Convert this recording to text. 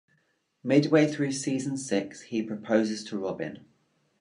Midway through season six, he proposes to Robin.